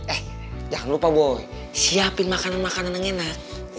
eh jangan lupa boy siapin makanan makanan yang enak